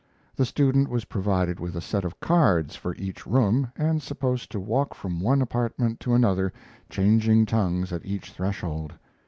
The student was provided with a set of cards for each room and supposed to walk from one apartment to another, changing tongues at each threshold.